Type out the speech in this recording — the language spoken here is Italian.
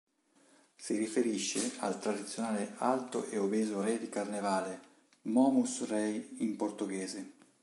Si riferisce al tradizionale alto e obeso re di Carnevale, Momus-Rei in portoghese.